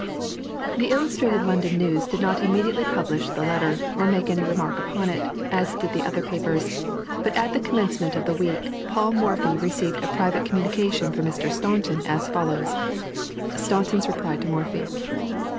The Illustrated London News did not immediately publish the letter, or make any remark upon it, as did the other papers; but at the commencement of the week, Paul Morphy received a private communication from Mr. Staunton, as follows: STAUNTON'S REPLY TO MORPHY.